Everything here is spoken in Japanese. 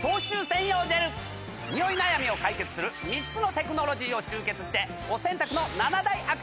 ニオイ悩みを解決する３つのテクノロジーを集結してお洗濯の。